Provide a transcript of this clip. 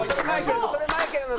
「それマイケルの！